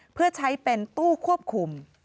เพื่อใช้เป็นตู้ควบคุม